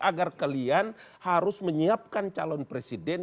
agar kalian harus menyiapkan calon presiden